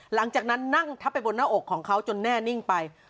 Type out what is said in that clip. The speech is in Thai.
หลังจากนั้นนั่งทับไปบนหน้าอกของเขาจนแน่นิ่งไป